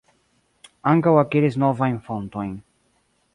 Ankaŭ akiris novajn fontojn.